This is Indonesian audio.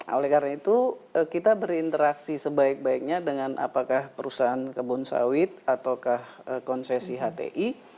oleh karena itu kita berinteraksi sebaik baiknya dengan apakah perusahaan kebun sawit ataukah konsesi hti